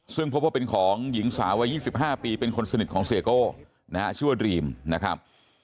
ซึ่งพบว่าเป็นของหญิงสาววัย๒๕ปีเป็นคนสนิทของเสียโก้นะฮะชื่อว่าดรีมนะครับ